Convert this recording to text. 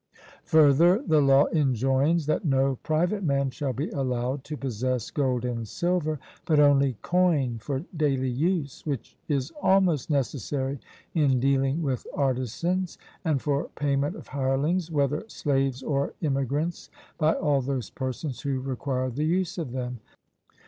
Further, the law enjoins that no private man shall be allowed to possess gold and silver, but only coin for daily use, which is almost necessary in dealing with artisans, and for payment of hirelings, whether slaves or immigrants, by all those persons who require the use of them.